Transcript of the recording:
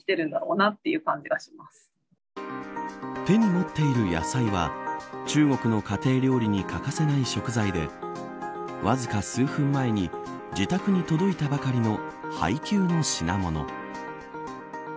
手に持っている野菜は中国の家庭料理に欠かせない食材でわずか数分前に自宅に届いたばかりの配給の品物。